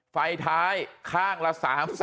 ไฟท้ายข้างละข้างละ๓๐๐๐๐๐๐